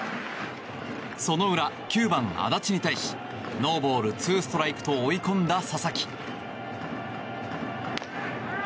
その裏、９番、安達に対しノーボール２ストライクと追い込んだ佐々木。